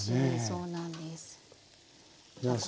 そうなんです。